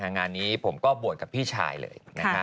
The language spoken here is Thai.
งานนี้ผมก็บวชกับพี่ชายเลย